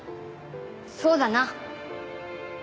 そうだな。